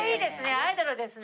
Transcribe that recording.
アイドルですね。